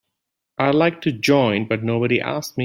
I'd like to join but nobody asked me.